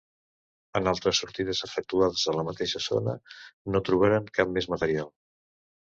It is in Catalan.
En altres sortides efectuades a la mateixa zona no trobaren cap més material.